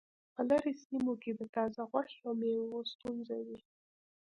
په لرې سیمو کې د تازه غوښې او میوو ستونزه وي